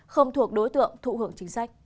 không thuộc đối tượng thụ hưởng chính sách